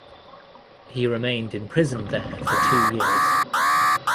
He remained imprisoned there for two years.